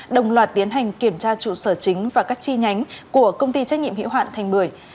đồng loạt tiến hành kiểm tra trụ sở chính và các chi nhánh của công ty trách nhiệm hiệu hoạn thành bưởi